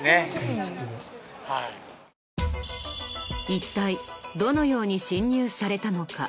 一体どのように侵入されたのか？